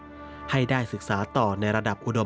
สำหรับนักเรียนที่เรียนดีของโรงเรียนราชประชานุเคราะห์